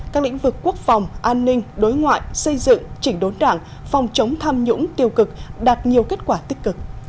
các lĩnh vực quốc phòng an ninh đối ngoại xây dựng chỉnh đốn đảng phòng chống tham nhũng tiêu cực đạt nhiều kết quả tích cực